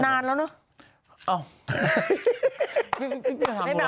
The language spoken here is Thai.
นานแล้วเนอะ